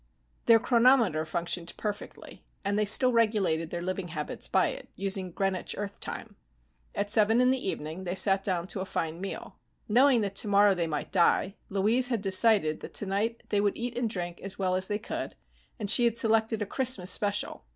Their chronometer functioned perfectly, and they still regulated their living habits by it, using Greenwich Earth time. At seven in the evening they sat down to a fine meal. Knowing that tomorrow they might die, Louise had decided that tonight they would eat and drink as well as they could, and she had selected a Christmas special.